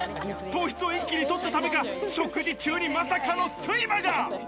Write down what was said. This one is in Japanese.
糖質を一気に取ったためか、食事中にまさかの睡魔が。